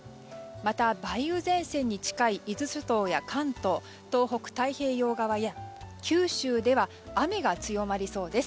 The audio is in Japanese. また梅雨前線に近い伊豆諸島や関東東北、太平洋側や九州では雨が強まりそうです。